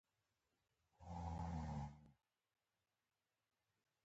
پښتانه قوانینو ته درناوی لري.